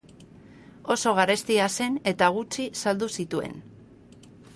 Oso garestia zen eta gutxi saldu zituen.